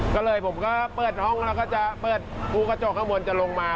ก็เลยผมก็เปิดห้องแล้วก็จะเปิดตู้กระจกข้างบนจะลงมา